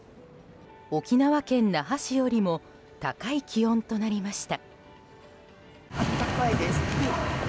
沖縄県那覇市よりも高い気温となりました。